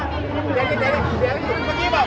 สวัสดีครับ